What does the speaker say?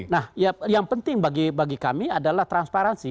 nah yang penting bagi kami adalah transparansi